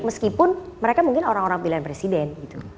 meskipun mereka mungkin orang orang pilihan presiden gitu